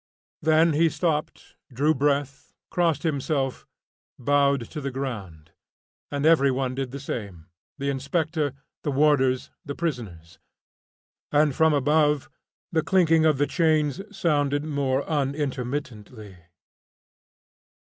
Then he stopped, drew breath, crossed himself, bowed to the ground, and every one did the same the inspector, the warders, the prisoners; and from above the clinking of the chains sounded more unintermittently.